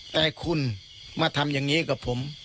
แต่คุณมาทำอย่างนี้กับผม